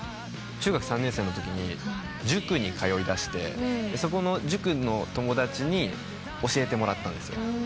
中学３年生のときに塾に通いだしてそこの塾の友達に教えてもらったんですけど。